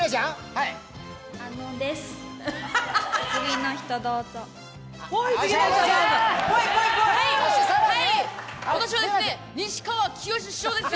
はい、私はですね、西川きよし師匠です。